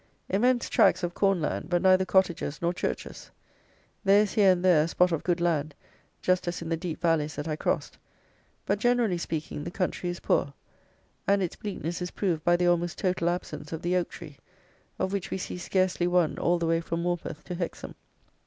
Immense tracks of corn land, but neither cottages nor churches. There is here and there a spot of good land, just as in the deep valleys that I crossed; but, generally speaking, the country is poor; and its bleakness is proved by the almost total absence of the oak tree, of which we see scarcely one all the way from Morpeth to Hexham.